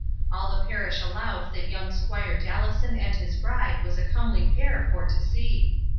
All the parish allowed that young 'squire Dallison and his bride was a comely pear for to see.